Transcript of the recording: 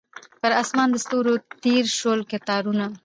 پر اسمان د ستورو تیر شول کتارونه